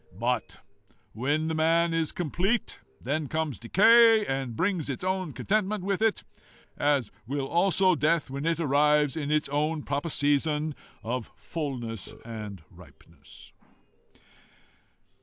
But when the man is complete, then comes decay and brings its own contentment with it as will also death, when it arrives in its own proper season of fulness and ripeness."